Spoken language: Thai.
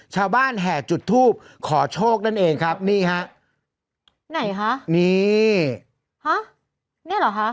แห่จุดทูบขอโชคนั่นเองครับนี่ฮะไหนคะนี่ฮะเนี่ยเหรอคะ